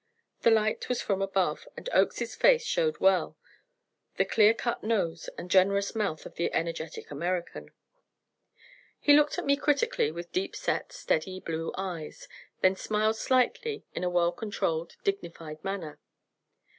The light was from above, and Oakes's face showed well the clear cut nose and generous mouth of the energetic American. He looked at me critically with deep set, steady blue eyes, then smiled slightly in a well controlled, dignified manner.